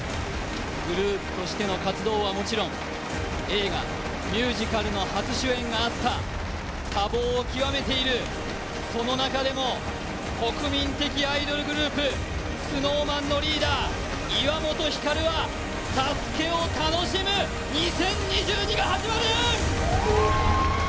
グループとしての活動はもちろん映画、ミュージカルの初主演があった、多忙を極めている、その中でも国民的アイドルグループ、ＳｎｏｗＭａｎのリーダー、岩本照はＳＡＳＵＫＥを楽しむ２０２２が始まる。